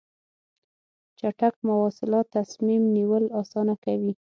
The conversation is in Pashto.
چټک مواصلات تصمیم نیول اسانه کوي.